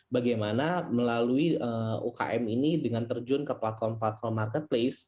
bagaimana melalui ukm ini dengan terjun ke platform platform marketplace